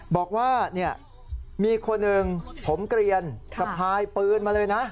บอกว่ามีคนหนึ่งผมเกลียนสะพายปืนมาเลยนะ